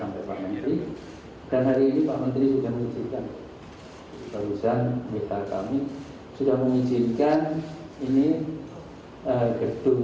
dan puslit bang humanyora di jalan indrapura sudah diizinkan oleh menteri kesehatan